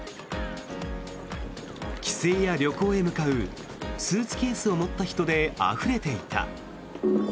帰省や旅行へ向かうスーツケースを持った人であふれていた。